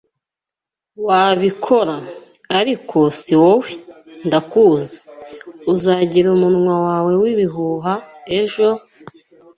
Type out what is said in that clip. wabikora. Ariko si wowe! Ndakuzi. Uzagira umunwa wawe w'ibihuha ejo,